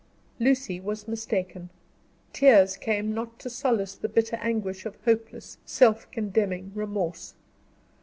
Lucy was mistaken; tears came not to solace the bitter anguish of hopeless, self condemning remorse.